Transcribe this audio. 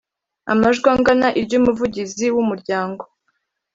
amajwi angana iry umuvugizi w umuryango